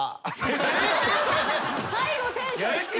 最後テンション低っ。